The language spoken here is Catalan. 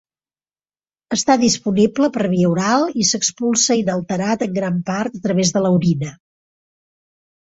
Està disponible per via oral i s'expulsa inalterat en gran part a través de l'orina.